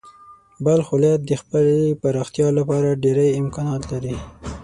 بلخ ولایت د خپلې پراختیا لپاره ډېری امکانات لري.